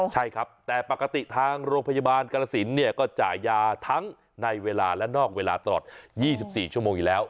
ใช่ครับแต่ปกติทางโรงพยาบาลกรสินเนี่ยก็จ่ายยาทั้งในเวลาและนอกเวลาตลอด๒๔ชั่วโมงอยู่แล้ว